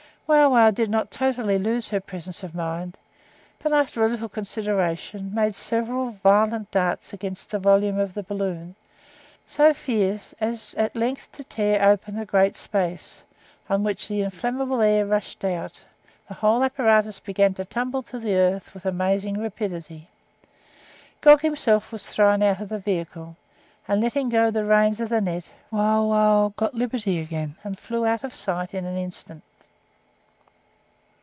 Wauwau did not totally lose her presence of mind, but after a little consideration, made several violent darts against the volume of the balloon; so fierce, as at length to tear open a great space, on which the inflammable air rushing out, the whole apparatus began to tumble to the earth with amazing rapidity. Gog himself was thrown out of the vehicle, and letting go the reins of the net, Wauwau got liberty again, and flew out of sight in an instant.